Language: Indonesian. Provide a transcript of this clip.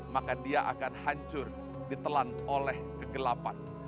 maka dia akan hancur ditelan oleh kegelapan